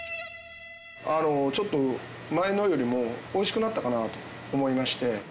あのちょっと前のよりもおいしくなったかなと思いまして。